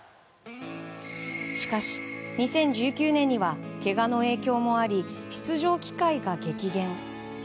しかし、２０１９年にはけがの影響もあり出場機会が激減。